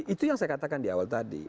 itu yang saya katakan di awal tadi